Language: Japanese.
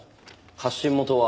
発信元は。